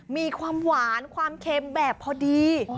มีความหวานความเค็มแบบพอดี